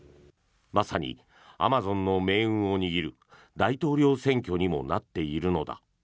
まさにアマゾンの命運を握る大統領選挙にもなっているのだ。